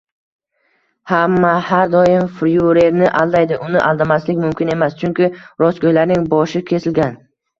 Hamma har doim fyurerni aldaydi, uni aldamaslik mumkin emas, chunki rostgo'ylarning boshi kesilgan